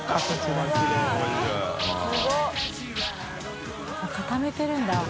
鷲見）あっ固めてるんだ。